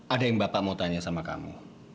ada yang bapak mau tanya sama kamu